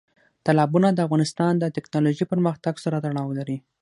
تالابونه د افغانستان د تکنالوژۍ پرمختګ سره تړاو لري.